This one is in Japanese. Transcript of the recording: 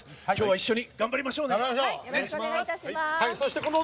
一緒に頑張りましょうね。